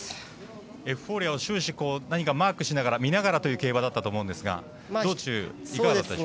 エフフォーリアを終始、マークしながら見ながらという競馬だったと思うんですが道中、いかがだったでしょう？